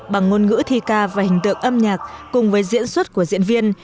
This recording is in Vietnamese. bằng ngôn ngữ thi ca và hình tượng âm nhạc cùng với diễn xuất của diễn viên